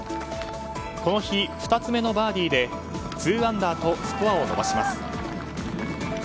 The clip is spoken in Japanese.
この日、２つ目のバーディーで２アンダーとスコアを伸ばします。